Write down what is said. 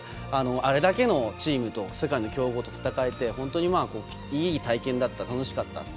あれだけのチームと世界の強豪と戦えて本当にいい経験だったと。